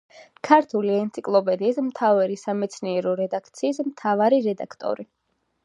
ქართული ენციკლოპედიის მთავარი სამეცნიერო რედაქციის მთავარი რედაქტორი.